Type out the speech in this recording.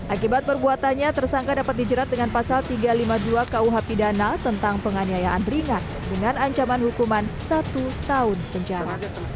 akibat perbuatannya tersangka dapat dijerat dengan pasal tiga ratus lima puluh dua kuh pidana tentang penganiayaan ringan dengan ancaman hukuman satu tahun penjara